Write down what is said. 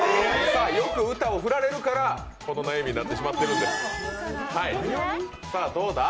よく歌を振られるからこの悩みになってしまうんです。